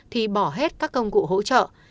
thì bỏ hết các công cụ hỗ trợ